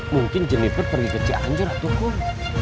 mungkin jennifer pergi ke cianjur atau kum